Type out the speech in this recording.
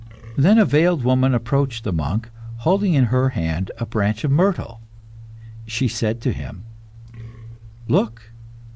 Then a veiled woman approached the monk, holding in her hand a branch of myrtle. She said to him "Look!